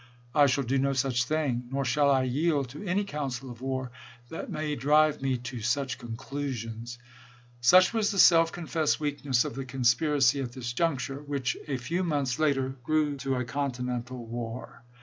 I shall do no such thing, nor shall I yield to any council of war that may drive me to such ' conclusions.' " Such was the self confessed weakness of the conspiracy at this juncture, which a few months later grew to a continental war.